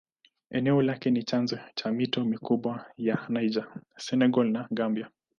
Eneo lake ni chanzo ya mito mikubwa ya Niger, Senegal na Gambia.